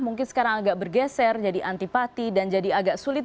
mungkin sekarang agak bergeser jadi antipati dan jadi agak sulit